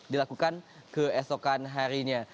dilakukan keesokan harinya